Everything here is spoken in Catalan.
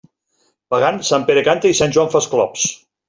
Pagant, Sant Pere canta i Sant Joan fa esclops.